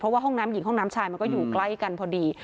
เพราะว่าห้องน้ำหญิงห้องน้ำชายมันก็อยู่ใกล้กันพอดี